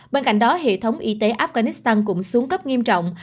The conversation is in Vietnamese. bên cạnh đó hệ thống y tế afghanistan cũng xuống cấp nghiêm trọng